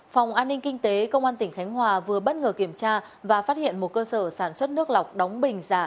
phòng an ninh kinh tế công an tỉnh khánh hòa vừa bất ngờ kiểm tra và phát hiện một cơ sở sản xuất nước lọc đóng bình giả